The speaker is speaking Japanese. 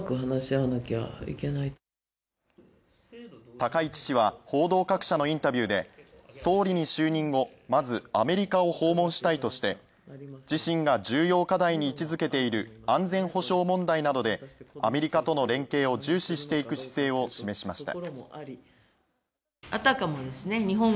高市氏は、報道各社のインタビューで総理に就任後、まずアメリカを訪問したいとして、自身が重要課題に位置づけている安全保障問題などでアメリカとの連携を重視していく姿勢を示しました。